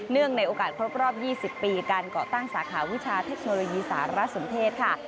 ในโอกาสครบรอบ๒๐ปีการเกาะตั้งสาขาวิชาเทคโนโลยีสารสนเทศค่ะ